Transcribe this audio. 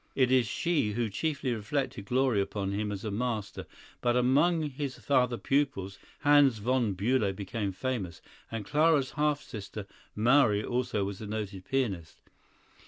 It is she who chiefly reflected glory upon him as a master, but, among his other pupils, Hans von Bülow became famous, and Clara's half sister Marie also was a noted pianist.